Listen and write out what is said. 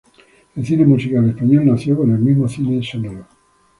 El cine musical español nació con el mismo cine sonoro.